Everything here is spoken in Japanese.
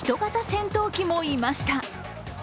戦闘機もいました。